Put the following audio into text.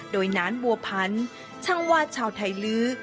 โดยนานบัวพันธ์ช่างวาดชาวไทยลื้อ